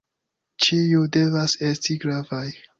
Ĉiuj devas esti gravaj.